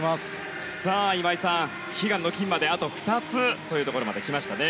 今井さん、悲願の金まであと２つというところまで来ましたね。